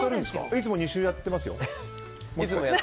いつも２周やってますよ。